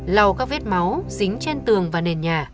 lau các vết máu dính trên tường và nền nhà